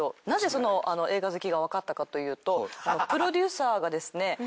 なぜ映画好きがわかったかというとプロデューサーがですね